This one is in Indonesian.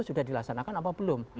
sudah dilaksanakan apa belum